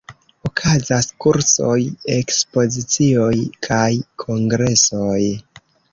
Okazas kursoj, ekspozicioj kaj kongresoj.